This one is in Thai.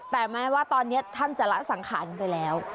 แต่แม้ว่าตอนนี้ท่านจะละสังขารไปแล้ว